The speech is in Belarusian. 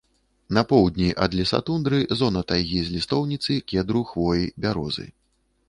На поўдні ад лесатундры зона тайгі з лістоўніцы, кедру, хвоі, бярозы.